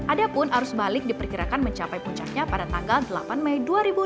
adapun arus balik diperkirakan mencapai puncaknya pada tanggal delapan mei dua ribu dua puluh